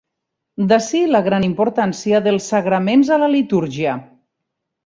D'ací la gran importància dels sagraments a la litúrgia.